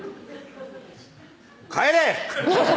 帰れ！